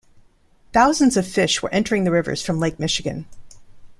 Thousands of fish were entering the rivers from Lake Michigan.